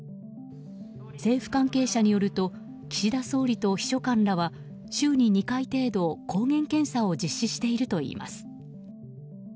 政府関係者によると岸田総理と秘書官らは週に２回程度、抗原検査を実施しているといいます。